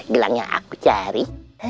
gelangnya aku cari